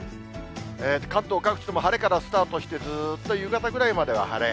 関東各地とも晴れからスタートして、ずっと夕方ぐらいまでは晴れ。